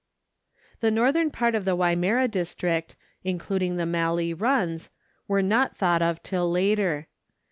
The northern part of the Wimmera district, including the mallee runs, were not thought of till later.